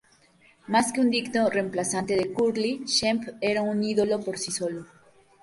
Más que un digno reemplazante de Curly, Shemp era un ídolo por sí solo.